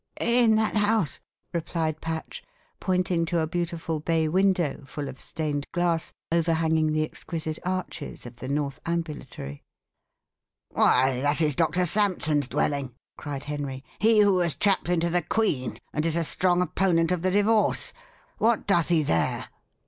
"In that house," replied Patch, pointing to a beautiful bay window, full of stained glass, overhanging the exquisite arches of the north ambulatory. "Why, that is Doctor Sampson's dwelling," cried Henry; "he who was chaplain to the queen, and is a strong opponent of the divorce. What doth he there?"